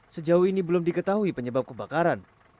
sejauh ini belum diketahui penyebab kebakaran